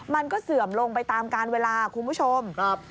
เสื่อมลงไปตามการเวลาคุณผู้ชม